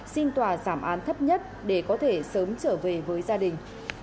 xin tòa giảm án thấp nhất để có thể sớm trở về với gia đình